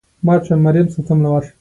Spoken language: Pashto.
د درملو له ناوړه استفادې باید ډډه وشي.